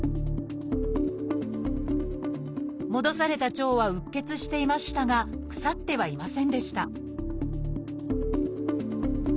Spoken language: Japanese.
戻された腸はうっ血していましたが腐ってはいませんでした